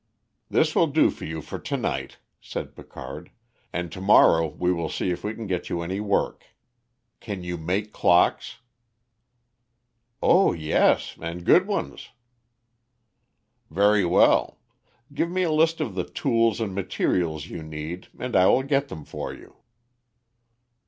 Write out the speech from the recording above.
"This will do for you for tonight," said Picard, "and tomorrow we will see if we can get you any work. Can you make clocks?" "Oh yes, and good ones." "Very well. Give me a list of the tools and materials you need and I will get them for you."